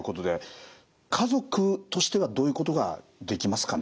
家族としてはどういうことができますかね？